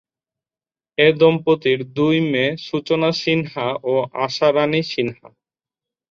এ দম্পতির দুই মেয়ে সূচনা সিনহা ও আশা রানী সিনহা।